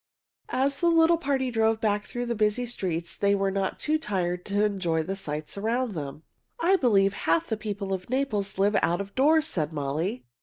As the little party drove back through the busy streets they were not too tired to enjoy the sights around them. "I believe half the people of Naples live out of doors," said Molly.